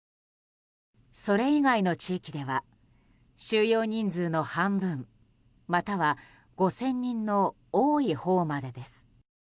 それ以外の地域では収容人数の半分、または５０００人の多いほうまでです。